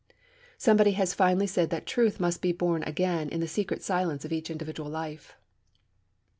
Somebody has finely said that Truth must be born again in the secret silence of each individual life.